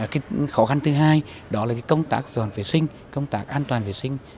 cái khó khăn thứ hai đó là công tác dọn vệ sinh công tác an toàn vệ sinh